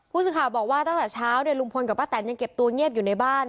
ผู้สื่อข่าวบอกว่าตั้งแต่เช้าเนี่ยลุงพลกับป้าแตนยังเก็บตัวเงียบอยู่ในบ้าน